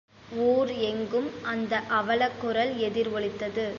ஊர் எங்கும் அந்த அவலக் குரல் எதிர் ஒலித்தது.